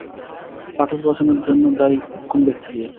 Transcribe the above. পাটের পচনের জন্য দায়ী কোন ব্যাকটেরিয়া?